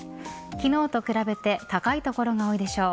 昨日と比べて高い所が多いでしょう。